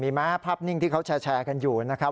มีไหมภาพนิ่งที่เขาแชร์กันอยู่นะครับ